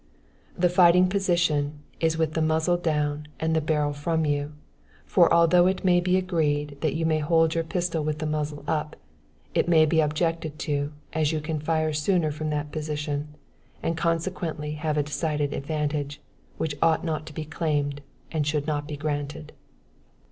The fighting position, is with the muzzle down and the barrel from you; for although it may be agreed that you may hold your pistol with the muzzle up, it may be objected to, as you can fire sooner from that position, and consequently have a decided advantage, which ought not to be claimed, and should not be granted.